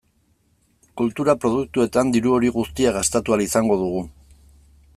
Kultura produktuetan diru hori guztia gastatu ahal izango dugu.